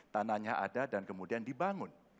tanahnya ada dan kemudian dibangun